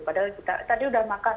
padahal kita tadi udah makan